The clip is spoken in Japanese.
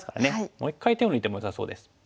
もう一回手を抜いてもよさそうです。